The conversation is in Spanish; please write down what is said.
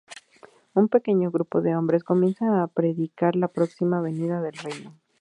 Un pequeño grupo de hombres comienza a predicar la próxima venida del Reino.